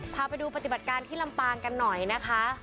พาไปดูปฏิบัติการที่ลำปางกันหน่อยนะคะ